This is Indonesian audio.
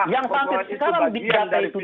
yang panggil sekarang dikata itu